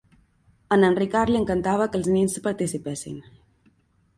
A en Ricard li encantava que els nens participessin.